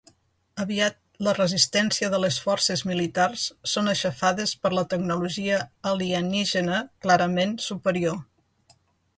Aviat la resistència de les forces militars són aixafades per la tecnologia alienígena clarament superior.